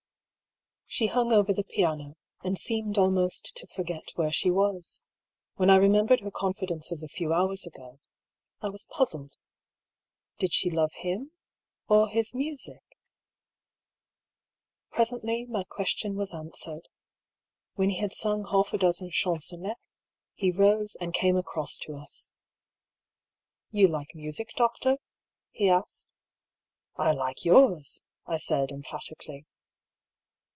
She hung over the piano, and seemed almost to forget where she was. When I remembered her confidences a few hours ago, I was puzzled. Did she love him — or his music? Presently, my question was answered. When he had sung half a dozen chansonnetteSy he rose and came across to us. " You like music, doctor ?" he asked. " I like yours," I said emphatically.